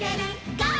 ゴー！」